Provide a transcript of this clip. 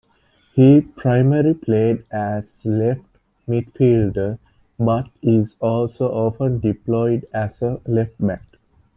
He primary played as left midfielder, but is also often deployed as a left-back.